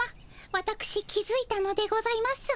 わたくし気づいたのでございます。